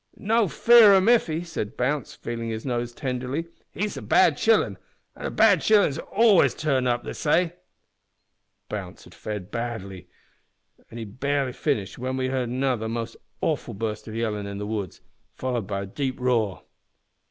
"`No fear o' Miffy,' said Bounce, feelin' his nose tenderly, `he's a bad shillin', and bad shillin's always turn up, they say.' "Bounce had barely finished when we heard another most awesome burst o' yellin' in the woods, followed by a deep roar.